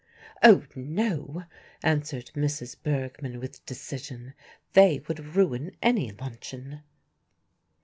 "Oh! no," answered Mrs. Bergmann with decision, "they would ruin any luncheon."